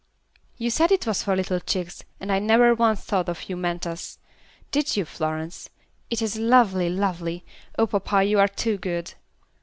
"You said it was for little chicks, and I never once thought you meant us. Did you, Florence? It is lovely, lovely. Oh, papa, you are too good."